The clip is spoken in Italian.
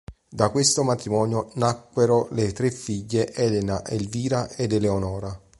Da questo matrimonio nacquero le tre figlie Elena, Elvira ed Eleonora.